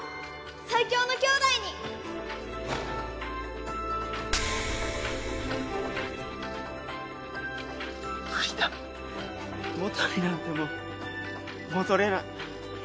最強の兄弟に無理だ元になんてもう戻れない。